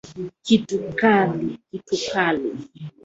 Kitu kali.